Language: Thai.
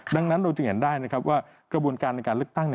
ดังนั้นเราจึงเห็นได้นะครับว่ากระบวนการในการเลือกตั้ง